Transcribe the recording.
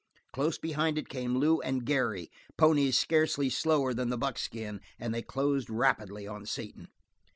Close behind it came Lew and Garry ponies scarcely slower than the buckskin, and they closed rapidly on Satan.